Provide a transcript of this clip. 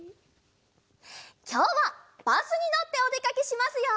きょうはバスにのっておでかけしますよ。